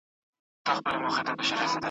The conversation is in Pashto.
خبر دي راووړ د حریفانو `